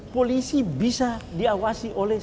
polisi bisa diawasi oleh